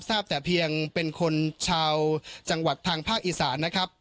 ทราบแต่เพียงเป็นคนชาวจังหวัดทางภาคอีสานนะครับ